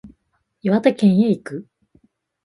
岩手県へ行く